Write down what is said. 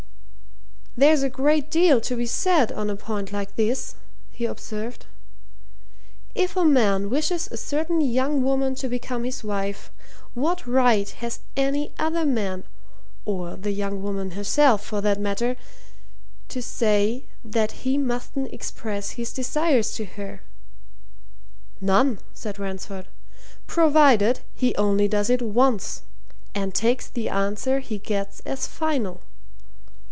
"There's a great deal to be said on a point like this," he observed. "If a man wishes a certain young woman to become his wife, what right has any other man or the young woman herself, for that matter to say that he mustn't express his desires to her?" "None," said Ransford, "provided he only does it once and takes the answer he gets as final."